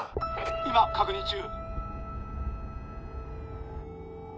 今確認中。